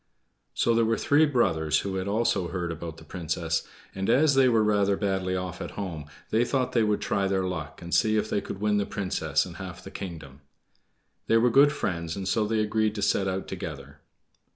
So there were three brothers who had also heard about the Princess, and as they were rather badly off at home, they thought they would try their luck and see if they could win the Princess and half the kingdom. They were good friends, and so they agreed to set out together.